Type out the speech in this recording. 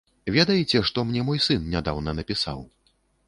Ведаеце, што мне мой сын нядаўна напісаў?